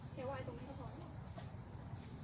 นี้ว่าน๒๔๐น้ำถ่วย